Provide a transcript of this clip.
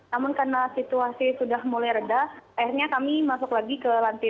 namun karena situasi sudah mulai reda akhirnya kami masuk lagi ke lantai dua